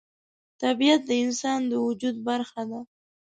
طبیعت د انسان د وجود برخه ده.